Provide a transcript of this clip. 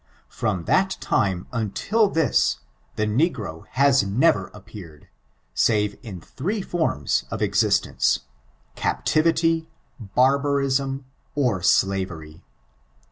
From tliat time untfl this* the negro haa never appeared, aave in three ibrma of existence : captivity barbarism, or slavery.